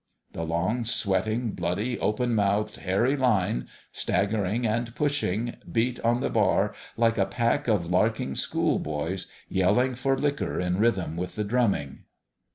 The long, sweating, bloody, open mouthed, hairy line, staggering and pushing, beat on the bar like a pack of larking schoolboys, yelling for liquor in rhythm with the drumming.